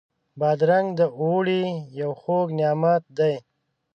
بادرنګ د اوړي یو خوږ نعمت دی.